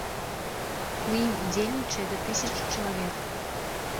У ім удзельнічае да тысячы чалавек.